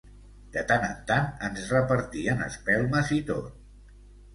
De tant en tant ens repartien espelmes i tot.